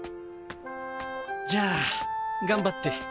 じゃあ頑張って。